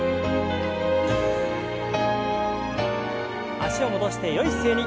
脚を戻してよい姿勢に。